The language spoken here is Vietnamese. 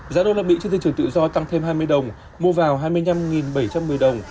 giá đô la mỹ trên thị trường tự do tăng thêm hai mươi đồng mua vào hai mươi năm bảy trăm một mươi đồng